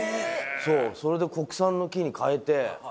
それで国産の木に変えて。